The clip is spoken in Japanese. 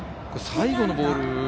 最後のボール